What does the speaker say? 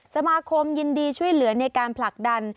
สมาคมยินดีช่วยเหลือในการผลักดัน